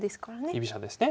居飛車ですね。